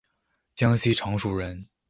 江南常熟人。